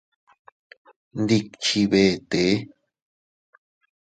Ndikchi vetee.